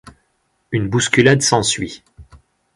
Une bousculade s'ensuit.